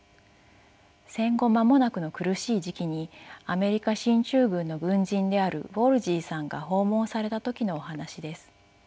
戦後間もなくの苦しい時期にアメリカ進駐軍の軍人であるウォールヂーさんが訪問された時のお話です。